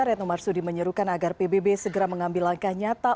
retno marsudi menyerukan agar pbb segera mengambil langkah nyata